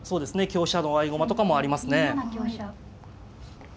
香車の合駒とかもありますね。